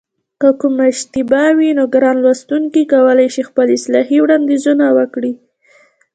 که کومه اشتباه وي نو ګران لوستونکي کولای شي خپل اصلاحي وړاندیزونه وکړي